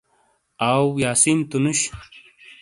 آؤ یاسین تو نُش؟